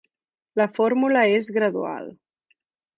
La fórmula és gradual.